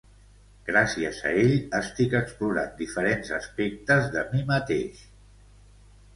Gràcies a ell, estic explorant diferents aspectes de mi mateix.